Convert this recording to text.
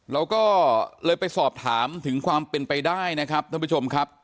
เราก็เลยไปสอบถามถึงความเป็นไปได้นะครับท่านผู้ชมครับ